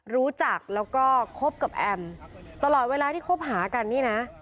รู้จักแล้วก็คบกับแอมตลอดเวลาที่คบหากันนี่นะ